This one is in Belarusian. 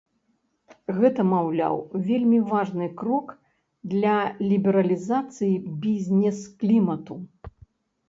Гэта, маўляў, вельмі важны крок для лібералізацыі бізнес-клімату.